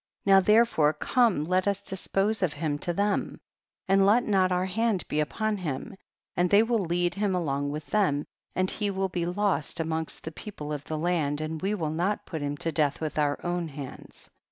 4. Now therefore, come let us dis pose of him to them, and let not our hand be upon him, and they will lead him along with them, and he will be lost amongst the people of the land, and we will not put him to death with our own hands.